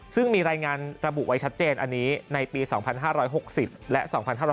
ซึ่งมีรายงานระบุไว้ชัดเจนอันนี้ในปี๒๕๖๐และ๒๕๖๒